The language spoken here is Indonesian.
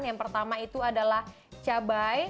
yang pertama itu adalah cabai